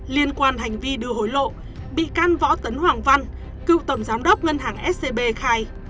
liên quan hành vi đưa hối lộ bị can võ tấn hoàng văn cựu tổng giám đốc ngân hàng scb khai